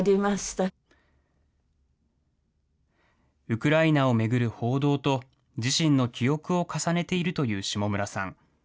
ウクライナを巡る報道と、自身の記憶を重ねているという下村さん。